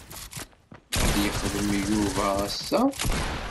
Ad yexdem Yuba ass-a?